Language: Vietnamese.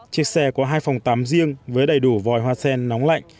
chiếc xe có hai phòng tám riêng với đầy đủ vòi hoa sen nóng lạnh